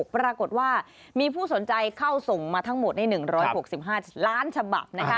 ปรากฏว่ามีผู้สนใจเข้าส่งมาทั้งหมดใน๑๖๕ล้านฉบับ